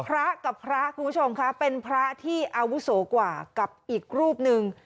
พระกับพระคุณผู้ชมค่ะเป็นพระที่อาวุโสกว่ากับอีกรูปหนึ่ง